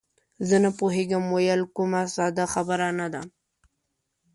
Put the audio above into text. زه نه پوهېږم ویل، کومه ساده خبره نه ده.